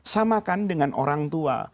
samakan dengan orang tua